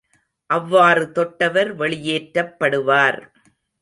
அவ்வாறு தொட்டவர் வெளியேற்றப்படுவார்.